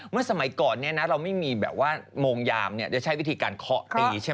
เมื่อสมัยก่อนเราไม่มีโมงยามจะใช้วิธีการเคาะตี